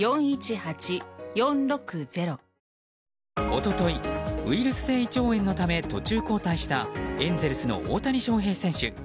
一昨日ウイルス性胃腸炎のため途中交代したエンゼルスの大谷翔平選手。